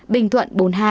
bình thuận bốn mươi hai